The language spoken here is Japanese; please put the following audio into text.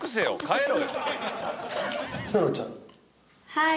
はい。